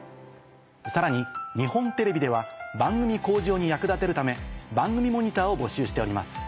さらに日本テレビでは番組向上に役立てるため番組モニターを募集しております。